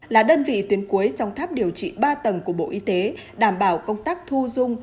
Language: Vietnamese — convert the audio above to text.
là đơn vị tuyến cuối trong tháp điều trị ba tầng của bộ y tế đảm bảo công tác thu dung